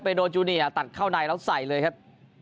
โดจูเนียตัดเข้าในแล้วใส่เลยครับ